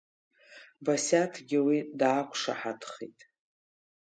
Басиаҭгьы уи даақәшаҳаҭхеит.